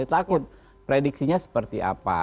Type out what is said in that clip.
takut prediksinya seperti apa